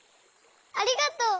ありがとう！